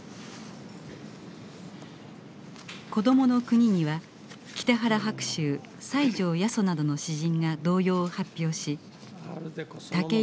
「コドモノクニ」には北原白秋西条八十などの詩人が童謡を発表し武井